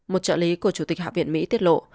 một trợ lý của chủ tịch hạ viện mỹ tiết lộ